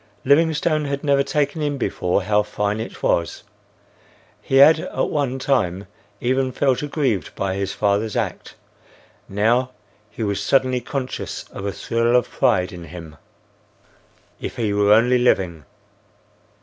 Livingstone had never taken in before how fine it was. He had at one time even felt aggrieved by his father's act; now he was suddenly conscious of a thrill of pride in him. If he were only living!